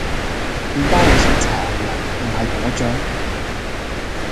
麵包你想搽牛油定係果醬？